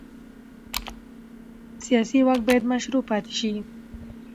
سیاسي واک باید مشروع پاتې شي